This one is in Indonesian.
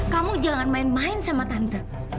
kamu jangan main main sama tante